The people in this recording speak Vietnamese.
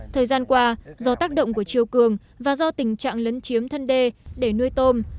thời gian qua do tác động của chiều cường và do tình trạng lấn chiếm thân đê để nuôi tôm